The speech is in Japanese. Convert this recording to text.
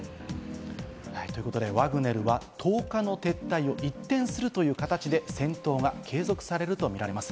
ワグネルは１０日の撤退を一転するという形で戦闘が継続されるとみられます。